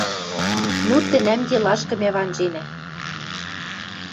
Ну, тӹнӓм делашкы мӓ ванженӓ: